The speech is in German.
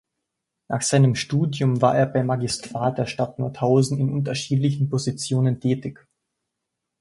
Nach seinem Studium war er beim Magistrat der Stadt Nordhausen in unterschiedlichen Positionen tätig.